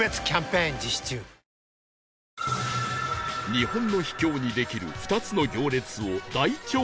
日本の秘境にできる２つの行列を大調査